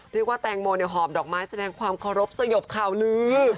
เรียกว่าแตงโมหอบดอกไม้แสดงความเคารพสยบข่าวลือ